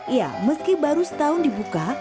ya meski baru setahun dibuka